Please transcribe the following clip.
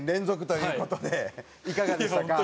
いかがでしたか？